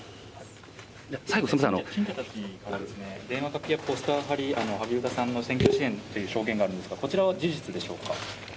電話やポスター貼り、萩生田さんの選挙支援という証言があるんですが、こちらは事実でしょうか。